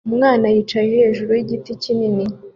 Umwana yicaye hejuru yigiti kinini